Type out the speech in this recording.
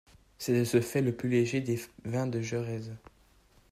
C'est de ce fait le plus léger des vins de Jerez.